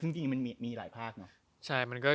จริงมันมีหลายภาคเนาะ